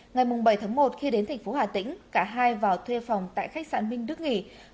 ngày bảy tháng một khi đến thành phố hà tĩnh cả hai vào thuê phòng tại khách sạn minh đức nghỉ